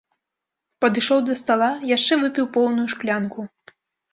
Падышоў да стала, яшчэ выпіў поўную шклянку.